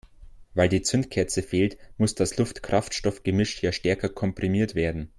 Weil die Zündkerze fehlt, muss das Luft-Kraftstoff-Gemisch ja stärker komprimiert werden.